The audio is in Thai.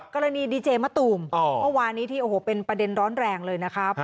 กรณีดีเจมะตูมเมื่อวานนี้ที่โอ้โหเป็นประเด็นร้อนแรงเลยนะครับ